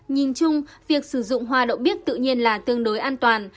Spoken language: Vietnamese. nhìn chung việc sử dụng hoa đậu bích tự nhiên là tương đối an toàn